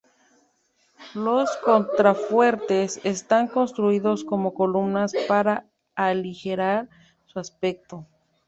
Los contrafuertes están construidos como columnas para aligerar su aspecto.